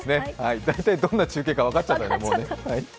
大体どんな中継か分かっちゃった。